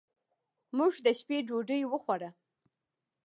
موږ د شپې ډوډۍ وخوړه.